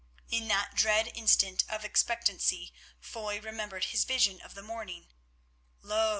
In that dread instant of expectancy Foy remembered his vision of the morning. Lo!